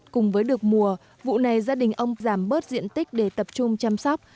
cùng với được mùa vụ này gia đình ông giảm bớt diện tích để tập trung chăm sóc